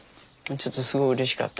ちょっとすごいうれしかった。